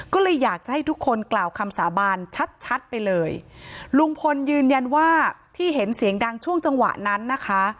ก็เลยอยากจะให้ทุกคนกล่าวคำสาบานชัดชัดไปเลยลุงพลยืนยันว่าที่เห็นเสียงดังช่วงจังหวะนั้นนะคะ